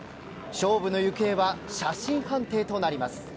勝負の行方は写真判定となります。